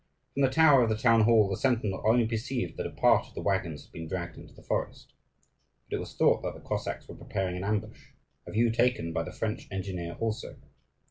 From the tower of the town hall the sentinel only perceived that a part of the waggons had been dragged into the forest; but it was thought that the Cossacks were preparing an ambush a view taken by the French engineer also.